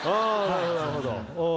なるほど。